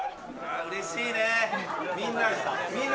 うれしいね。